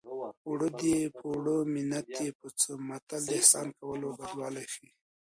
اوړه دې په اوړه منت دې په څه متل د احسان کولو بدوالی ښيي